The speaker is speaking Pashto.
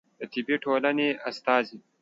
د طبي ټولنې استازی